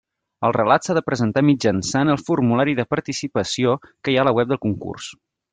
El relat s'ha de presentar mitjançant el formulari de participació que hi ha a la web del concurs.